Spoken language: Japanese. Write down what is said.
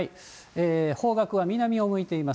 方角は南を向いています。